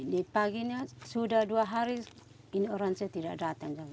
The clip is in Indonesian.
di paginya sudah dua hari orang cofaot tidak datang